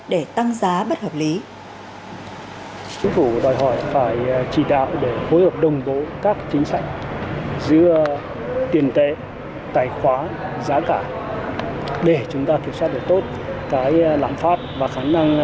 để tăng giá và giữ ổn định thị trường